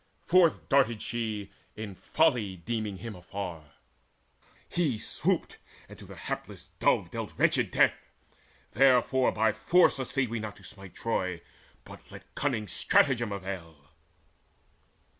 Forth darted she, In folly deeming him afar: he swooped, And to the hapless dove dealt wretched death. Therefore by force essay we not to smite Troy, but let cunning stratagem avail."